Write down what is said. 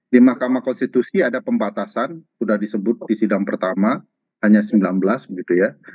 di mahkamah konstitusi ada pembatasan sudah disebut di sidang pertama hanya sembilan belas begitu ya